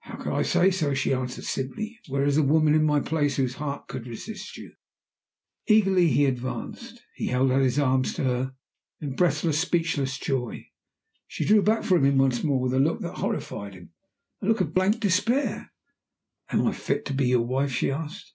"How can I say so?" she answered, simply. "Where is the woman in my place whose heart could resist you?" He eagerly advanced; he held out his arms to her in breathless, speechless joy. She drew back from him once more with a look that horrified him a look of blank despair. "Am I fit to be your wife?" she asked.